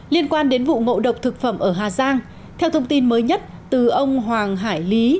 liên quan đến vụ ngộ độc thực phẩm ở hà giang theo thông tin mới nhất từ ông hoàng hải lý